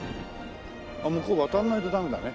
あっ向こう渡らないとダメだね。